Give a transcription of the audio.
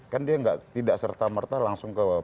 kan dia tidak serta merta langsung ke